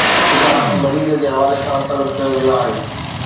اهو وضاحت مريض جي حوالي سان طلب ڪيو ويو آهي